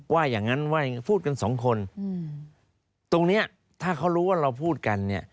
ว่ายังงั้นว่ายังงั้นพูดกัน๒คนตรงเนี่ยถ้าเขารู้ว่าเราพูดกันเนี่ย